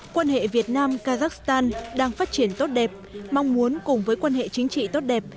quan hệ việt nam kazakhstan đang phát triển tốt đẹp mong muốn cùng với quan hệ chính trị tốt đẹp